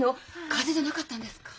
風邪じゃなかったんですか？